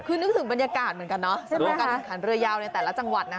คือนึกถึงบรรยากาศเหมือนกันเนาะสำหรับการแข่งขันเรือยาวในแต่ละจังหวัดนะ